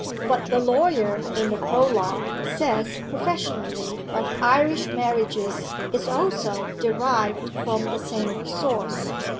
What the lawyer (in the Prologue) says professionally of Irish Marriages is also derived from the same source.